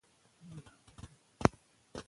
قاضي د کورني صلحې لارې پیدا کوي.